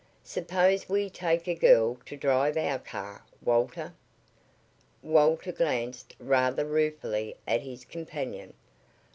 Suppose we take a girl to drive our car, Walter?" Walter glanced rather ruefully at his companion.